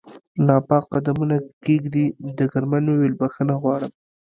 ناپاک قدمونه کېږدي، ډګرمن وویل: بخښنه غواړم.